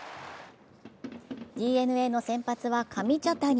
ＤｅＮＡの先発は上茶谷。